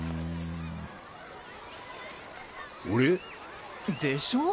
俺？でしょ？